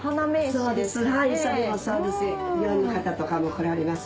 そうですね。